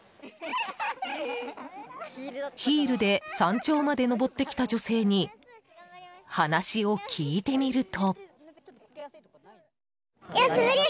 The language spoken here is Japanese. ヒールで山頂まで登ってきた女性に話を聞いてみると。